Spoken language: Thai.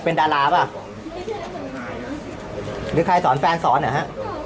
เป็นดาราป่ะหรือใครสอนแฟนสอนเหรอฮะ